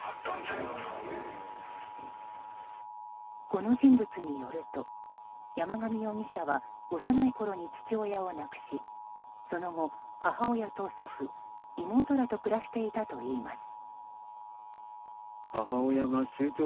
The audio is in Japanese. この人物によると山上容疑者は幼いころに父親を亡くしその後、母親と祖父、妹らと暮らしていたといいます。